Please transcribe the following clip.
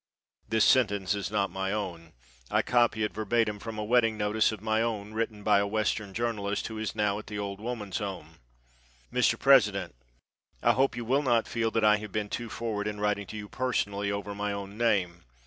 (This sentence is not my own. I copy it verbatim from a wedding notice of my own written by a western journalist who is now at the Old Woman's Home.) Mr. President, I hope you will not feel that I have been too forward in writing to you personally over my own name.